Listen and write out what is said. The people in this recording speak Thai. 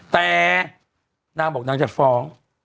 แต่นางบอกนางจะฟ้อง